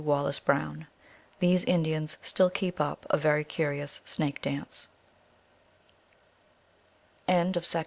Wallace Brown. These Indians still keep up a very curious snake dance.